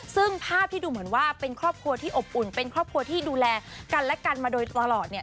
ซึ่งภาพที่ดูเหมือนว่าเป็นครอบครัวที่อบอุ่นเป็นครอบครัวที่ดูแลกันและกันมาโดยตลอดเนี่ย